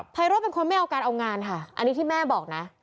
ไรโรธเป็นคนไม่เอาการเอางานค่ะอันนี้ที่แม่บอกนะ